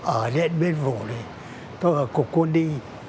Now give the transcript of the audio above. ở điện biên phủ tôi ở cục quân đi